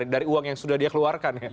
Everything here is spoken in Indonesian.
dari uang yang sudah dia keluarkan